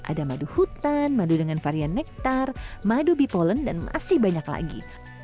ada madu hutan madu dengan varian nektar madu bipolen dan masih banyak lagi